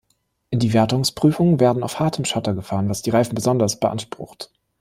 Die Wertungsprüfungen werden auf hartem Schotter gefahren, was die Reifen besonders beansprucht.